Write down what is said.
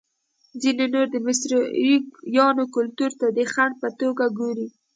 ځینې نور د مصریانو کلتور ته د خنډ په توګه ګوري.